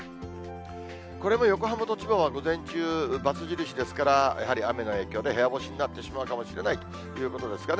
これも横浜と千葉は午前中、×印ですから、やはり雨の影響で部屋干しになってしまうかもしれないということですかね。